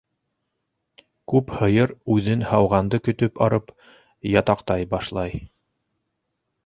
- Күп һыйыр үҙен һауғанды көтөп арып, ятаҡтай башлай.